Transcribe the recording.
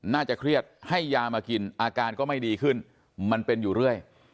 น่าจะเครียดให้ยามากินอาการก็ไม่ดีขึ้นมันเป็นอยู่เรื่อย